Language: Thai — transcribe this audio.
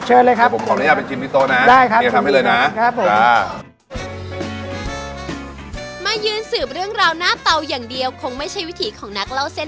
เอาล่ะรู้แล้วส่วนผสมหลักมีอะไรบ้างนะครับผม